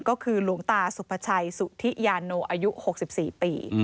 ก็คือหลวงตาสุภาชัยสุธิยาโนอายุ๖๔ปี